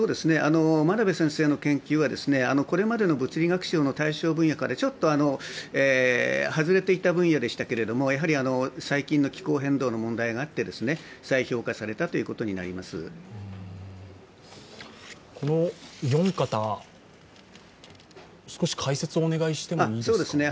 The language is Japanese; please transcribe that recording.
真鍋先生の研究は、これまでの物理学賞の対象分野からちょっと外れていた分野でしたけれどやはり最近の気候変動の問題があって再評価されたことになりまするこの４方、少し解説をお願いしてもいいですか。